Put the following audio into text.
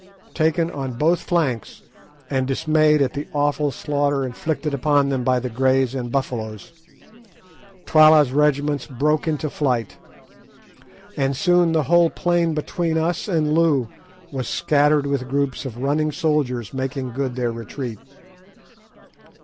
Taken on both flanks, and dismayed at the awful slaughter inflicted upon them by the Greys and Buffaloes, Twala's regiments broke into flight, and soon the whole plain between us and Loo was scattered with groups of running soldiers making good their retreat.